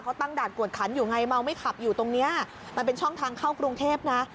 เขาตั้งด่านกวดขันอยู่ไงเมาไม่ขับอยู่ตรงนี้มันเป็นช่องทางเข้ากรุงเทพนะ